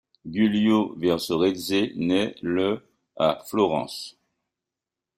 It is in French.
Giulio Versorese naît le à Florence.